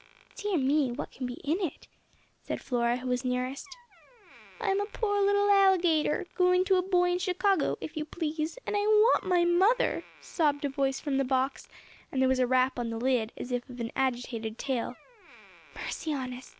"Dear me! what can be in it?" said Flora, who was nearest. "I'm a poor little alligator, going to a boy in Chicago, if you please, and I want my mother," sobbed a voice from the box, and there was a rap on the lid as of an agitated tail. "Mercy on us!